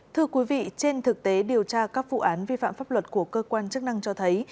thưa quý vị trên thực tế điều tra các vụ án vi phạm pháp luật của cơ quan chức năng cho thấy